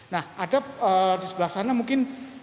nah ada di sebelah sana mungkin